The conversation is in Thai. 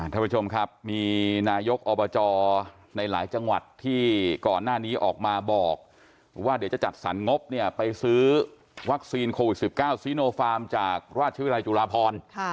ท่านผู้ชมครับมีนายกอบจในหลายจังหวัดที่ก่อนหน้านี้ออกมาบอกว่าเดี๋ยวจะจัดสรรงบเนี่ยไปซื้อวัคซีนโควิด๑๙ซีโนฟาร์มจากราชวิรัยจุฬาพร